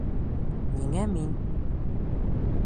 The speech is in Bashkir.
Ниңә мин?